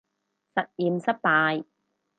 實驗失敗